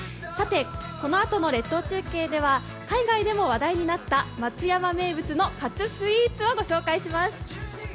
さて、このあとの列島中継では、海外でも話題になった松山名物のかつスイーツを御紹介します。